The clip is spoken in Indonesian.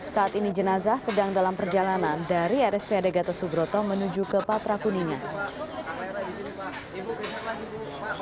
saat ini jenazah sedang dalam perjalanan dari rspad gatot subroto menuju ke patra kuningan